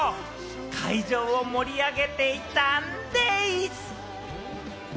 会場を盛り上げていたんでぃす！。